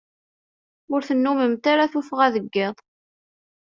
Ur tennumemt ara tuffɣa deg iḍ.